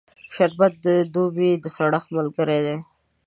شربت د دوبی د سړښت ملګری دی